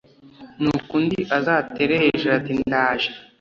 Nuko undi azatere hejuru ati ndaje